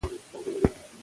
ځنګلونه د انسان دوست دي.